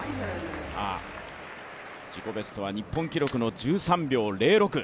自己ベストは日本記録の１３秒０６。